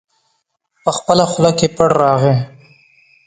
په خپله خوله کې پړ راغی.